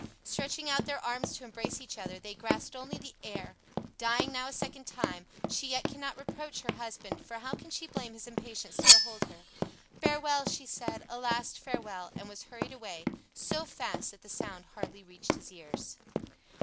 Stretching out their arms to embrace each other, they grasped only the air! Dying now a second time, she yet cannot reproach her husband, for how can she blame his impatience to behold her? "Farewell," she said, "a last farewell," and was hurried away, so fast that the sound hardly reached his ears.